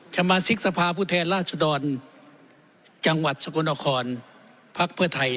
สมาชิกสภาพผู้แทนราชดรจังหวัดสกลนครพักเพื่อไทย